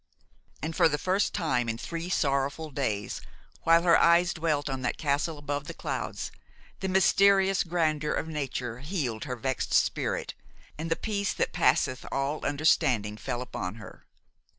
And for the first time in three sorrowful days, while her eyes dwelt on that castle above the clouds, the mysterious grandeur of nature healed her vexed spirit, and the peace that passeth all understanding fell upon her.